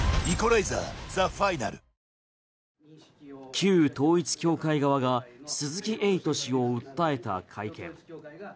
旧統一教会側が鈴木エイト氏を訴えた会見。